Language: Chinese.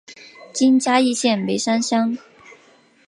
今嘉义县梅山乡。